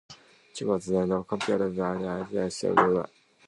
She was then captured by the Nazis, with Jones believing she was dead.